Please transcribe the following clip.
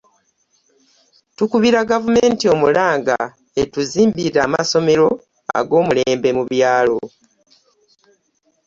Tukubira gavumenti omulanga etuzimbire amsomero agomulembe mu byalo.